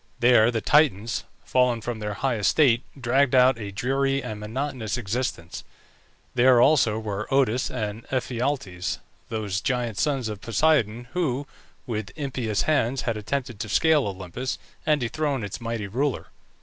There the Titans, fallen from their high estate, dragged out a dreary and monotonous existence; there also were Otus and Ephialtes, those giant sons of Poseidon, who, with impious hands, had attempted to scale Olympus and dethrone its mighty ruler.